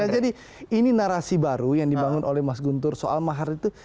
jadi ini narasi baru yang dibangun oleh mas guntur soal mahar itu